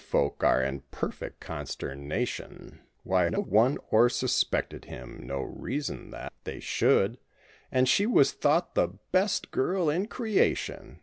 folk are in perfect consterna¬ tion— "Why ho one e'er suspected him —no reason that they should, And she was thought the best girl in creation."